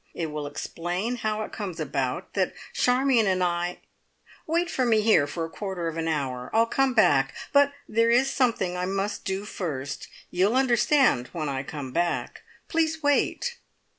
It will explain how it comes about that Charmion and I Wait for me here for a quarter of an hour. I'll come back, but there is something I must do first. You'll understand when I come back. Please wait!"